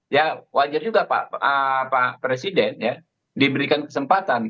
ya wajar juga pak presiden ya diberikan kesempatan